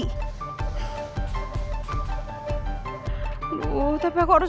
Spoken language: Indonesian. aduh tapi aku harus